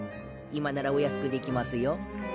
今ならお安くできますよ。